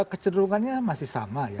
kecederungannya masih sama ya